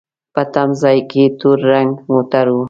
په تم ځای کې تور رنګ موټر و.